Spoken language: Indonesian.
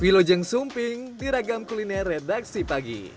vilo jeng sumping di ragam kuliner redaksi pagi